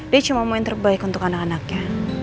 dia cuma mau yang terbaik untuk anak anaknya